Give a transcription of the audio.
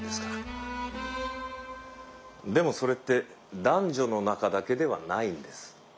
でもそれって男女の仲だけではないんです。